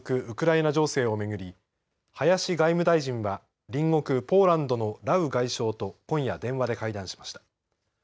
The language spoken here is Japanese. ウクライナ情勢を巡り林外務大臣は隣国ポーランドのラウ外相と今夜、電話で会談しました。